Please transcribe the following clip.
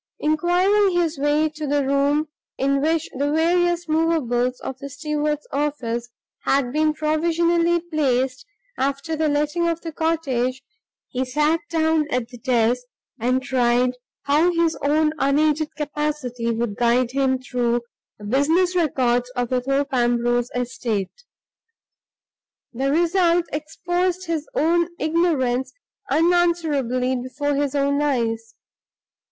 Inquiring his way to the room in which the various movables of the steward's office had been provisionally placed after the letting of the cottage, he sat down at the desk, and tried how his own unaided capacity would guide him through the business records of the Thorpe Ambrose estate. The result exposed his own ignorance unanswerably before his own eyes.